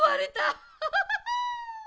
アハハハ！